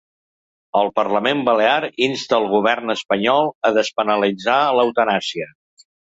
El parlament balear insta el govern espanyol a despenalitzar l’eutanàsia.